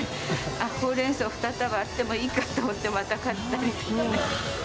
ホウレンソウ２束あってもいいかと思って、また買ったりとかね。